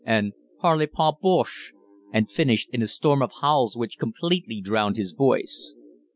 and "Parle pas Bosche!" and finished in a storm of howls which completely drowned his voice.